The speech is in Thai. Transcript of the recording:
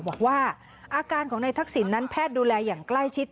บอกว่าอาการของนายทักษิณนั้นแพทย์ดูแลอย่างใกล้ชิด